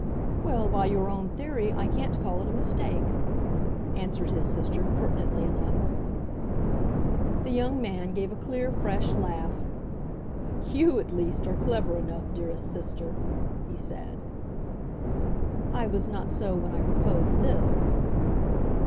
"Well, by your own theory I can't call it a mistake," answered his sister, pertinently enough. The young man gave a clear, fresh laugh. "You, at least, are clever enough, dearest sister," he said. "I was not so when I proposed this."